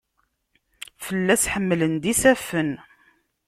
Fell-as ḥemlen-d isafen.